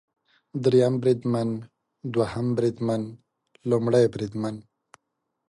دریم بریدمن، دوهم بریدمن ، لومړی بریدمن